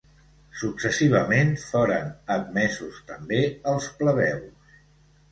Successivament foren admesos també els plebeus.